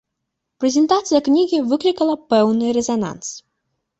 Прэзентацыя кнігі выклікала пэўны рэзананс.